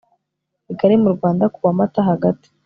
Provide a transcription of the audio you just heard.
kigali mu rwanda kuwa mata hagati